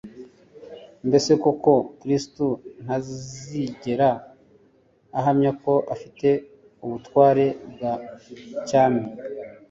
Mbese koko Kristo ntazigera ahamya ko afite ubutware bwa cyami?